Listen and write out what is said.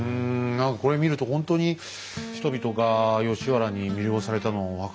何かこれ見るとほんとに人々が吉原に魅了されたの分かるね。